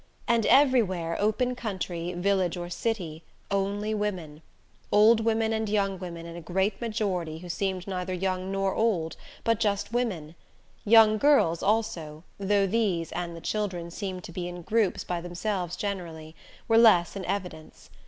And everywhere, open country, village, or city only women. Old women and young women and a great majority who seemed neither young nor old, but just women; young girls, also, though these, and the children, seeming to be in groups by themselves generally, were less in evidence.